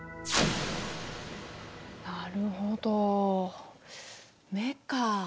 なるほど眼か。